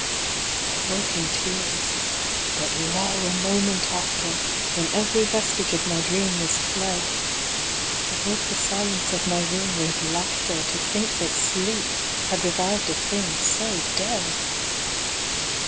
I woke in tears; but lo! a moment after, When every vestige of my dream was fled, I broke the silence of my room with laughter, To think sleep had revived a thing so dead.